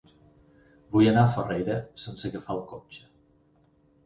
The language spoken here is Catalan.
Vull anar a Farrera sense agafar el cotxe.